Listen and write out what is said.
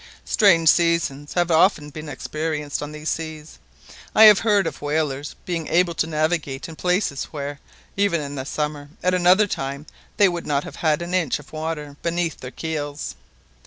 Strange seasons have often been experienced on these seas, I have heard of whalers being able to navigate in places where, even in the summer at another time they would not have had an inch of water beneath their keels.